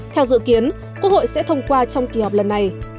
theo dự kiến quốc hội sẽ thông qua trong kỳ họp lần này